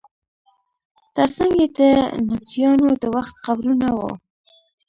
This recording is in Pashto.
تر څنګ یې د نبطیانو د وخت قبرونه وو.